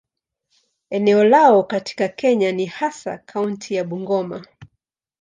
Eneo lao katika Kenya ni hasa kaunti ya Bungoma.